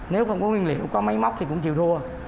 nếu không có nguyên liệu có máy móc thì cũng chịu thua